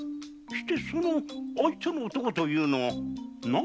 してその相手の男というのは何という名の？